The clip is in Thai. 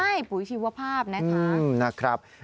ใช่ปลูกชีวภาพนะครับ